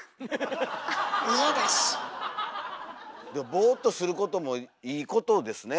ボーっとすることもいいことですね。